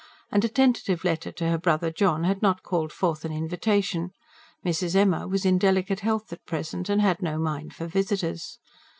And a tentative letter to her brother John had not called forth an invitation: Mrs. Emma was in delicate health at present, and had no mind for visitors.